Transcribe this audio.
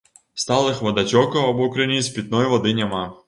Сталых вадацёкаў або крыніц пітной вады няма.